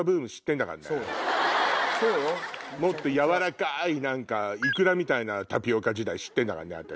もっと軟らかいイクラみたいなタピオカ時代知ってんだからね。